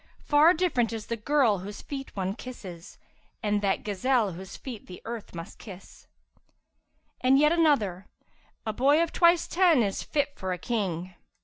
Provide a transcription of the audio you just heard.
Far different is the girl whose feet one kisses * And that gazelle whose feet the earth must kiss.' And yet another, 'A boy of twice ten is fit for a King!'